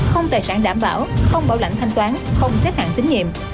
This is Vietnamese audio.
không tài sản đảm bảo không bảo lãnh thanh toán không xét hạn tín nhiệm